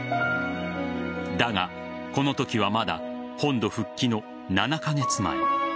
だが、このときはまだ本土復帰の７カ月前。